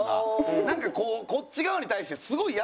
なんかこうこっち側に対してすごい優しいんですよ。